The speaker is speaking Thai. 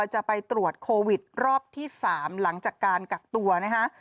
จะไปตรวจโควิดรอบที่๓หลังจากการกักตัวนะคะ